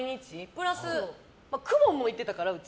プラス公文も行ってたから、うち。